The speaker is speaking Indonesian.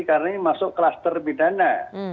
karena ini masuk klaster pidana